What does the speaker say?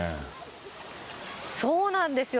そうなんですよ。